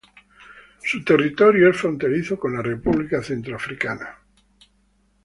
Su territorio es fronterizo con la República Centroafricana.